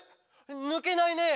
ぬけないねえ！！」